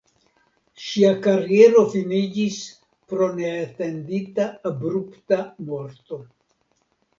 Ŝia kariero finiĝis pro neatendita abrupta morto.